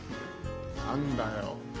何だよ？